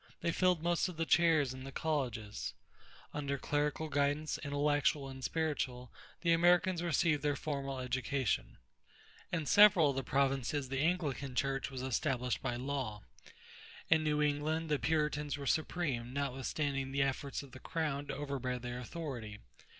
They filled most of the chairs in the colleges; under clerical guidance, intellectual and spiritual, the Americans received their formal education. In several of the provinces the Anglican Church was established by law. In New England the Puritans were supreme, notwithstanding the efforts of the crown to overbear their authority.